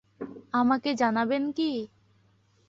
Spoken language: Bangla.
আমাকে জানাবেন কি?